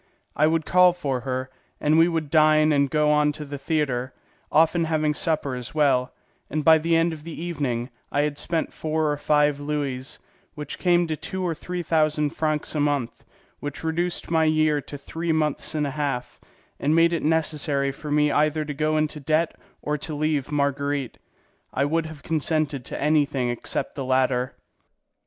I would call for her, and we would dine and go on to the theatre, often having supper as well; and by the end of the evening I had spent four or five louis, which came to two or three thousand francs a month, which reduced my year to three months and a half, and made it necessary for me either to go into debt or to leave Marguerite. I would have consented to anything except the latter.